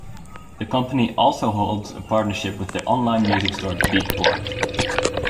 The company also holds a partnership with the online music store Beatport.